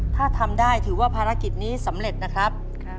ถ้าทำได้ถือว่าภารกิจนี้สำเร็จนะครับ